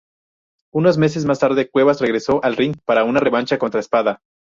Unos meses más tarde, Cuevas regresó al ring para una revancha contra Espada.